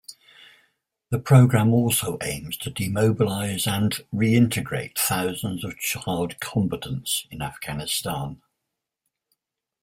The programme also aims to demobilise and reintegrate thousands of child combatants in Afghanistan.